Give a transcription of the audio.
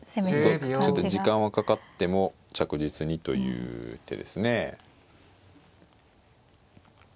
ちょっと時間はかかっても着実にという手ですね。